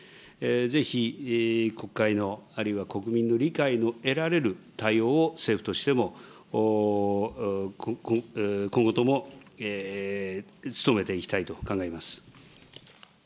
ぜひ国会の、あるいは国民の理解も得られる対応を政府としても、今後とも努めていきたいと考えます。